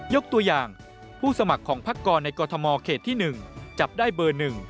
ยกตัวอย่างผู้สมัครของพักกรในกรทมเขตที่๑จับได้เบอร์๑